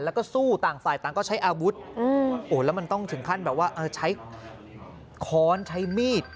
แล้วก็สู้ต่างฝ่ายต่างก็ใช้อาวุธแล้วมันต้องถึงขั้นแบบว่าใช้ค้อนใช้มีด